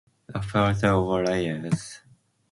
A Fliers or Liars?